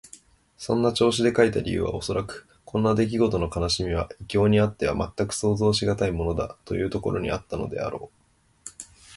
そんな調子で書いた理由はおそらく、こんなできごとの悲しみは異郷にあってはまったく想像しがたいものだ、というところにあったのであろう。